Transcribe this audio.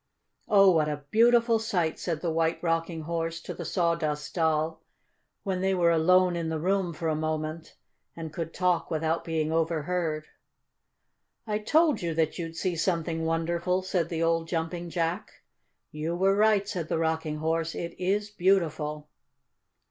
"Oh, what a beautiful sight!" said the White Rocking Horse to the Sawdust Doll, when they were alone in the room for a moment and could talk without being overheard. "I told you that you'd see something wonderful," said the old Jumping Jack. "You were right," said the Rocking Horse. "It is beautiful!"